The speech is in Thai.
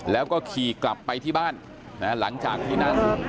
แล้วก็ขี่กลับไปที่บ้านหลังจากที่นั่ง